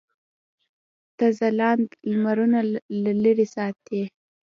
تا ځلاند لمرونه لرې ساتلي.